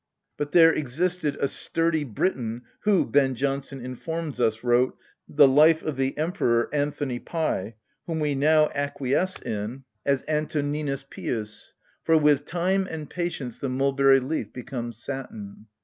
But there existed a sturdy Briton who, Ben Jonson informs us, wrote " The Life of the Emperor Anthony Pie "— whom we now acquiesce in a? Antoninus Pius: for "with time and patience the mulberry leaf becomes satin."